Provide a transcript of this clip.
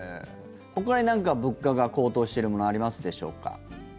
ほかになんか物価が高騰してるものはありますでしょうか。